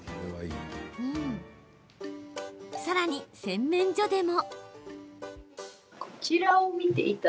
さらに洗面所でも。